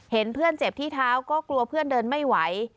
เห็นเพื่อนเจ็บที่เท้าก็กลัวเพื่อนเดินไม่ไหว